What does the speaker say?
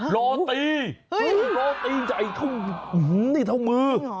โรตีโรตีใหญ่เท่ามือ